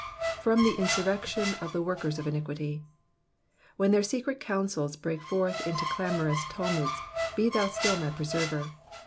From the insurrection of the workers of iniquity.'*^ When their secret counsels break forth into clamorous tumults, be thou still my preserver.